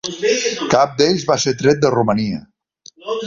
Cap d'ells va ser tret de Romania.